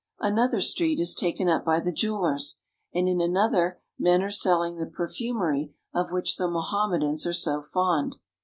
Another street is teken up by the jew ^ers, and in another men are selling the perfumery of which the Mohammedans are so fond.